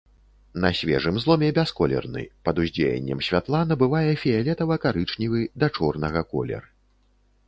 На свежым зломе бясколерны, пад уздзеяннем святла набывае фіялетава-карычневы да чорнага колер.